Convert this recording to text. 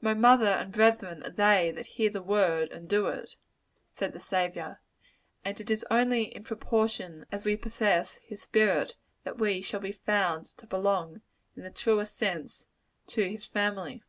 "My mother and brethren are they that hear the word of God and do it," said the Saviour; and it is only in proportion as we possess his spirit, that we shall be found to belong, in the truest sense, to his family.